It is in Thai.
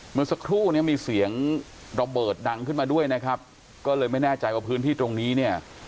เมื่อสักครู่เนี่ยมีเสียงระเบิดดังขึ้นมาด้วยนะครับก็เลยไม่แน่ใจว่าพื้นที่ตรงนี้เนี่ย